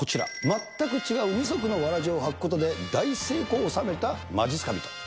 全く違う二足のわらじを履くことで大成功を収めたまじっすか人。